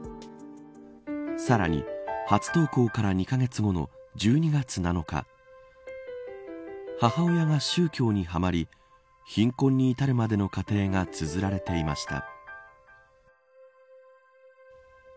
さらに、初投稿から２カ月後の１２月７日母親が宗教にはまり貧困に至るまでの過程がつづられていました。